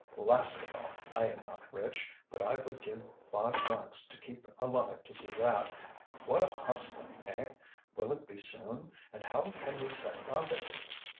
"Blast it all! I am not rich, but I would give five francs to keep alive to see that. What a hustling, eh? Will it be soon? And how can we set about it?"